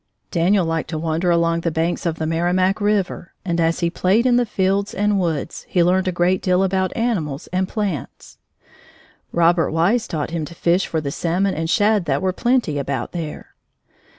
Daniel liked to wander along the banks of the Merrimac River, and as he played in the fields and woods, he learned a great deal about animals and plants. Robert Wise taught him to fish for the salmon and shad that were plenty about there.